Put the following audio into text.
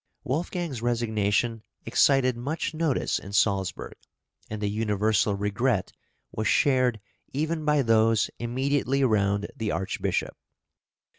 Wolfgang's resignation excited much notice in Salzburg; and the universal regret was shared even by those immediately round the Archbishop.